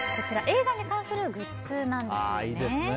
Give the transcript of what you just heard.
映画に関するグッズなんですよね。